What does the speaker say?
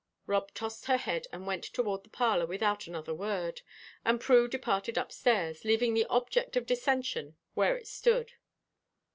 Rob tossed her head and went toward the parlor without another word, and Prue departed upstairs, leaving the object of dissension where it stood.